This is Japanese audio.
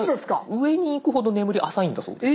上に行くほど眠り浅いんだそうです。